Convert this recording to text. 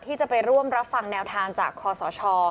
ที่จะไปร่วมรับฟังแนวทางจากคอสช